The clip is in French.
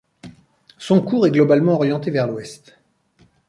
Son cours est globalement orienté vers l'ouest.